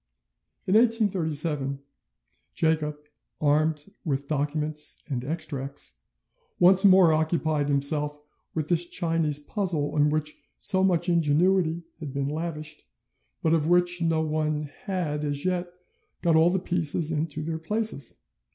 In 1837, Jacob, armed with documents and extracts, once more occupied himself with this Chinese puzzle on which so much ingenuity had been lavished, but of which no one had as yet got all the pieces into their places.